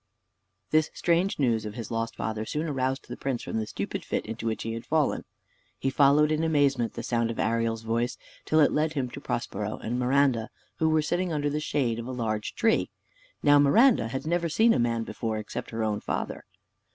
This strange news of his lost father soon aroused the prince from the stupid fit into which he had fallen. He followed in amazement the sound of Ariel's voice, till it led him to Prospero and Miranda, who were sitting under the shade of a large tree. Now Miranda had never seen a man before, except her own father.